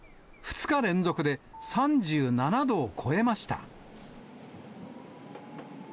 ２日連続で３７度を超えました。